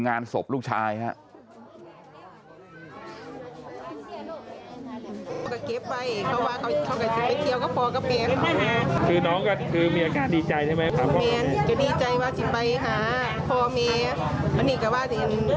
พอแม่ที่ไปเที่ยวพอก็เป็นค่าค่ะคือน้องมีอากาศดีใจใช่มั้ย